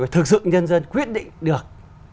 thực sự nhân dân quyết định được